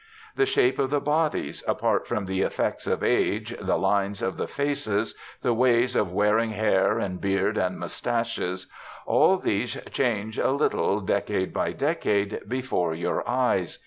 The shape of the bodies, apart from the effects of age, the lines of the faces, the ways of wearing hair and beard and moustaches, all these change a little decade by decade, before your eyes.